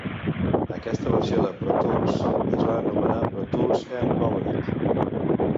Aquesta versió de Pro Tools es va anomenar Pro Tools M-Powered.